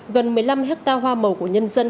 gần một mươi năm hectare hoa màu của nhân dân